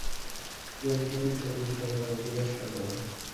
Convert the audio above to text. যদি তিরস্কারের কিছু থাকে, তবে তিরস্কার করো।